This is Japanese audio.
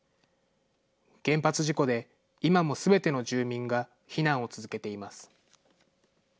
原発事故で、今もすべての住民が避難を続けています。